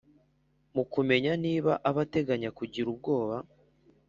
Mu kumenya niba abateganya kugira ubwoba